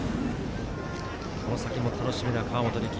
この先も楽しみな河本力。